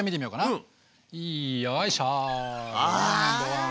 うん！